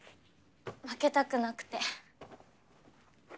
負けたくなくて。